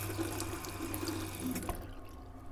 بايد د ټولنيزو پديدو لپاره يوه تګلاره ولرو.